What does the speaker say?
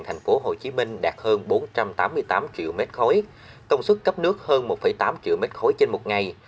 tp hcm đạt hơn bốn trăm tám mươi tám triệu m ba công suất cấp nước hơn một tám triệu m ba trên một ngày